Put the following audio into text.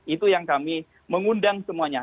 itu yang kami mengundang semuanya